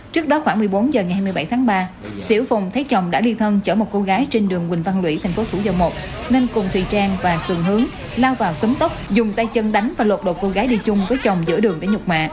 trước đó khoảng một mươi bốn h ngày hai mươi bảy ba sĩu phùng thấy chồng đã đi thân chở một cô gái trên đường quỳnh văn lũy tp thủ dầu một nên cùng thùy trang và xuân hướng lao vào cấm tóc dùng tay chân đánh và lột đồ cô gái đi chung với chồng giữa đường để nhục mạ